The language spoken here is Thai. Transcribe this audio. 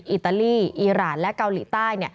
อิตาลีอีรานและเกาหลีใต้